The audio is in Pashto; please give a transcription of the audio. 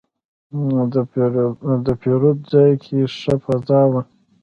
د پیرود ځای کې ښه فضا وه.